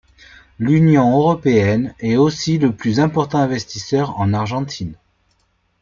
L'Union européenne est aussi le plus important investisseur en Argentine.